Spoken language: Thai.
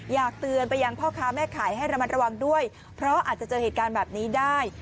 อยากเตือนไปยังพ่อค้าแม่ขายให้ระมัดระวังด้วยเพราะอาจจะเจอเหตุการณ์แบบนี้ได้